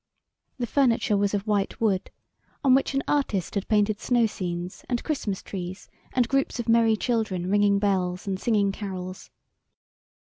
The furniture was of white wood, on which an artist had painted snow scenes and Christmas trees and groups of merry children ringing bells and singing carols.